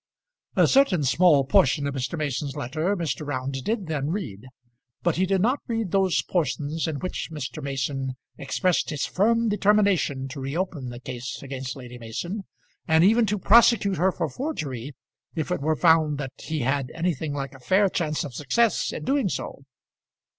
A certain small portion of Mr. Mason's letter Mr. Round did then read, but he did not read those portions in which Mr. Mason expressed his firm determination to reopen the case against Lady Mason, and even to prosecute her for forgery if it were found that he had anything like a fair chance of success in doing so.